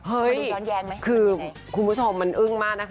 เฮ้ยคุณผู้ชมมันอึ้งมากนะคะ